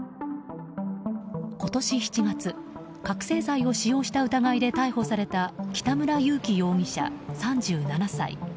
今年７月、覚醒剤を使用した疑いで逮捕された北村祐貴容疑者、３７歳。